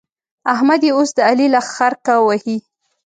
احمد يې اوس د علي له خرکه وهي.